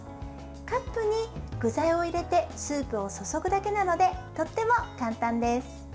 カップに具材を入れてスープを注ぐだけなのでとても簡単です。